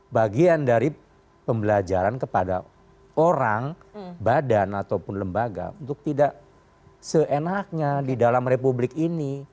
bagian dari pembelajaran kepada orang badan ataupun lembaga untuk tidak seenaknya di dalam republik ini